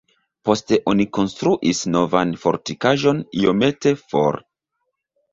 Poste oni konstruis novan fortikaĵon iomete for.